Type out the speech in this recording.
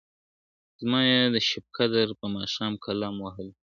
زما یې د شبقدر په ماښام قلم وهلی `